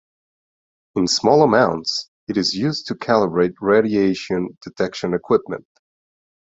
In small amounts, it is used to calibrate radiation-detection equipment.